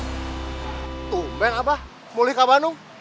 tumpeng mba mulai kebanyakan